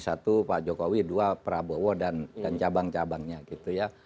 satu pak jokowi dua prabowo dan cabang cabangnya gitu ya